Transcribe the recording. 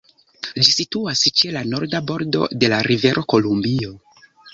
Ĝi situas ĉe la norda bordo de la rivero Kolumbio.